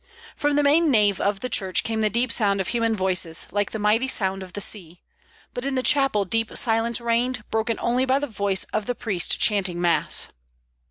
From the main nave of the church came the deep sound of human voices, like the mighty sound of the sea; but in the chapel deep silence reigned, broken only by the voice of the priest chanting Mass.